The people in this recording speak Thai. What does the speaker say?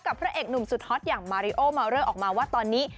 พระเอกหนุ่มสุดฮอตอย่างมาริโอมาวเรอร์ออกมาว่าตอนนี้